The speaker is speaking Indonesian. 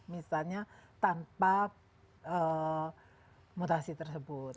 misalnya tanpa mutasi tersebut